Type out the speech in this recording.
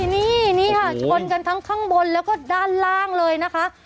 นี่นี่ค่ะชนกันทั้งพั่นบนและด้านล่างเลยนะคะ